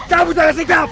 kabur jangan singkat